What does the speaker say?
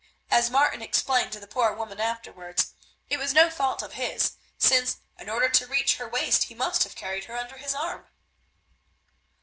As Martin explained to the poor woman afterwards, it was no fault of his, since in order to reach her waist he must have carried her under his arm.